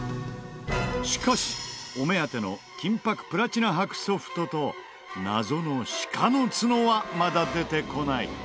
しかしお目当ての金箔プラチナ箔ソフトと謎の鹿のツノはまだ出てこない。